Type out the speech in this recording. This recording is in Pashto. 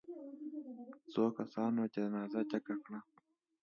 څو کسانو جنازه جګه کړه.